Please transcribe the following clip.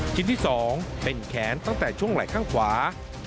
ชิ้นที่๒เป็นแขนตั้งแต่ช่วงไหล่ข้างขวา